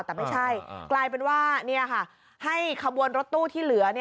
แต่ไม่ใช่กลายเป็นว่าให้ขบวนรถตู้ที่เหลือ